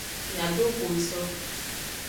Miadogo eso.